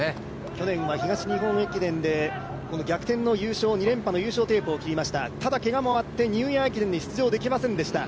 去年は東日本駅伝で逆転の２連覇の優勝テープを切りました、ただけがもあってニューイヤー駅伝に出場できませんでした。